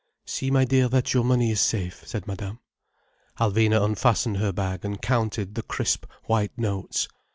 "See, my dear, that your money is safe," said Madame. Alvina unfastened her bag and counted the crisp white notes.